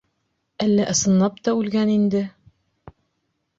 Әллә ысынлап та үлгән инде!